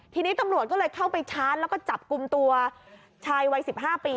ทีนี้ตำรวจก็เลยเข้าไปชาร์จแล้วก็จับกลุ่มตัวชายวัย๑๕ปี